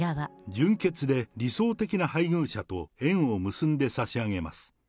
純潔で理想的な配偶者と縁を結んで差し上げます。